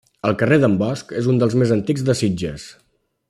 El carrer d'en Bosch és un dels més antics de Sitges.